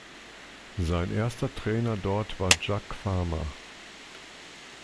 Sein erster Trainer dort war Jaques Farmer.